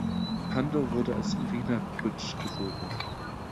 Pando wurde als Irina Brütsch geboren.